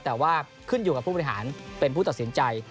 แต่ว่าขึ้นอยู่กับผู้บริหารเป็นผู้ตัดสินใจ